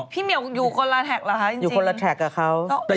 พี่เหมียวอยู่คนละกับมันเหรอจริง